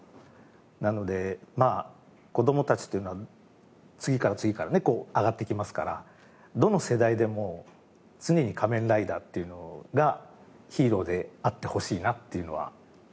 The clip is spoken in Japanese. なのでまあ子どもたちっていうのは次から次からねこう上がってきますからどの世代でも常に仮面ライダーっていうのがヒーローであってほしいなっていうのはありますね。